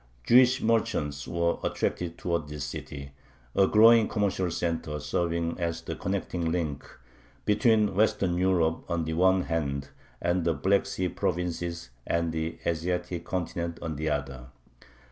Jewish merchants were attracted towards this city, a growing commercial center serving as the connecting link between Western Europe on the one hand and the Black Sea provinces and the Asiatic continent on the other.